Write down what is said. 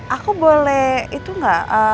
aku boleh itu nggak